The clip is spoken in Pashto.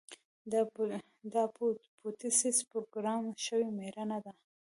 د اپوپټوسس پروګرام شوې مړینه ده.